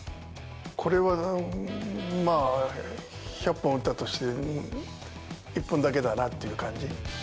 これはまあ、１００本打ったとして１本だけだなっていう感じ。